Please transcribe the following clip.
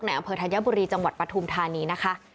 อำเภอธัญบุรีจังหวัดปฐุมธานีนะคะ